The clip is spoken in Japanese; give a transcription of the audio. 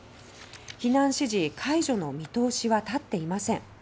避難指示解除の見通しは立っていません。